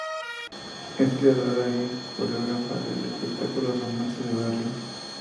Es creadora y coreógrafa del espectáculo "Romance de barrio".